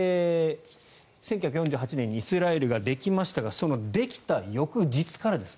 １９４８年にイスラエルができましたがそのできた翌日からです。